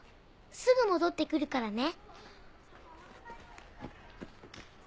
すぐ戻って来るからね。